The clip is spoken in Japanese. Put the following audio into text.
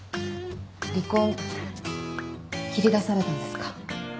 離婚切り出されたんですか。